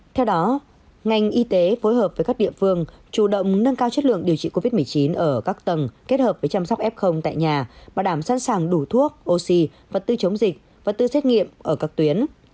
theo đó ngành y tế phối hợp với các địa phương chủ động nâng cao chất lượng điều trị covid một mươi chín ở các tầng kết hợp với chăm sóc f tại nhà bảo đảm sẵn sàng đủ thuốc oxy vật tư chống dịch và tư xét nghiệm ở các tuyến